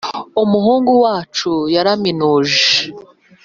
umuhungu wacu yaraminuje